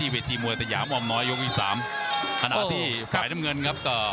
พี่น้องอ่ะพี่น้องอ่ะ